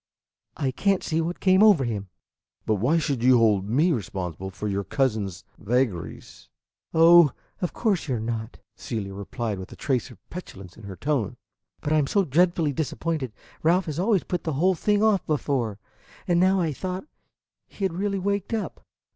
I can't see what came over him." "But why should you hold me responsible for your cousin's vagaries?" "Oh, of course you are not," Celia replied, with a trace of petulance in her tone; "but I am so dreadfully disappointed. Ralph has always put the whole thing off before, and now I thought he had really waked up."